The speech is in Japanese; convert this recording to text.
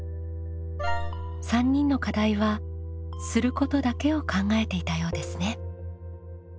３人の課題は「する」ことだけを考えていたようですね。